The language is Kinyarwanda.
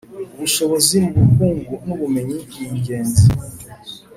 Ubushobozi mu bukungu n ‘ubumenyi ningenzi.